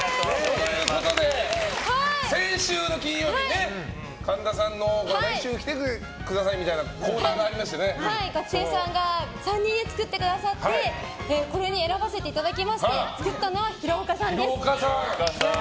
先週の金曜日にね、神田さん来週着てくださいっていう学生さんが３人作ってくださってこれに選ばせていただきまして作ったのは廣岡さんです。